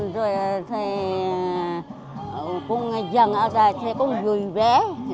rồi thầy cũng dần ở đây thầy cũng vui vẻ